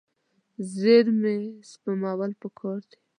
زیرمې سپمول پکار دي.